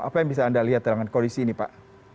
apa yang bisa anda lihat dalam kondisi ini pak